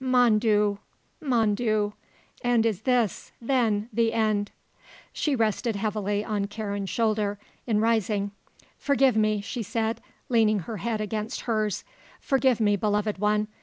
Mon Dieu, mon Dieu, and is this, then, the end...." She rested heavily on Karen's shoulder in rising. "Forgive me," she said, leaning her head against hers, "forgive me, beloved one.